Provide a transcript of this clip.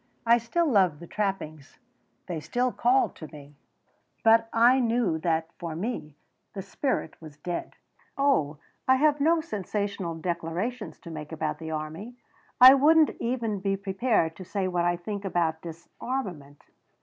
I still loved the trappings. They still called to me. But I knew that, for me, the spirit was dead. "Oh I have no sensational declarations to make about the army. I wouldn't even be prepared to say what I think about disarmament.